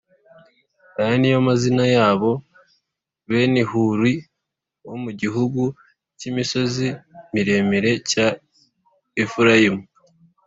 Aya ni yo mazina yabo: Benihuri wo mu gihugu cy’imisozi miremire cya Efurayimu